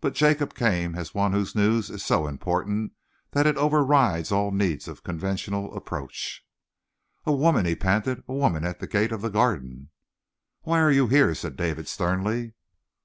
But Jacob came as one whose news is so important that it overrides all need of conventional approach. "A woman," he panted. "A woman at the gate of the Garden!" "Why are you here?" said David sternly.